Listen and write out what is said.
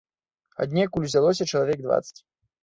Аднекуль узялося чалавек дваццаць.